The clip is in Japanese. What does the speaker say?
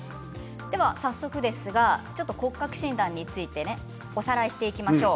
早速ですが骨格診断についておさらいをしていきましょう。